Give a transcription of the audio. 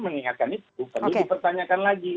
mengingatkan itu perlu dipertanyakan lagi